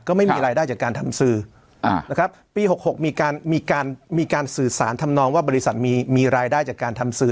ก็ไม่มีรายได้จากการทำสื่อนะครับปี๖๖มีการมีการสื่อสารทำนองว่าบริษัทมีรายได้จากการทำสื่อ